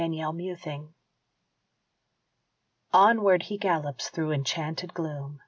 KNIGHT ERRANT Onward he gallops through enchanted gloom.